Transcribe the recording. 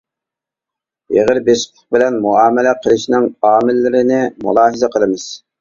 ئېغىر-بېسىقلىق بىلەن مۇئامىلە قىلىشنىڭ ئامىللىرىنى مۇلاھىزە قىلىمىز.